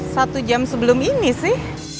satu jam sebelum ini sih